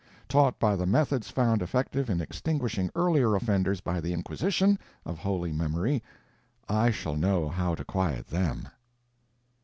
Taught by the methods found effective in extinguishing earlier offenders by the Inquisition, of holy memory, I shall know how to quiet them.